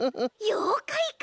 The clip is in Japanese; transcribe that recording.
ようかいか！